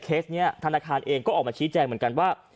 นี้ธนาคารเองก็ออกมาชี้แจงเหมือนกันว่า